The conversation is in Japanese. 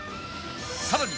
さらに